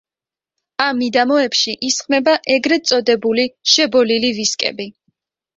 ამ მიდამოებში ისხმება ეგრეთ წოდებული შებოლილი ვისკები.